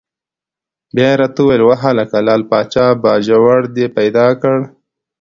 بیا یې را ته وویل: وهلکه لعل پاچا باجوړ دې پیدا کړ؟!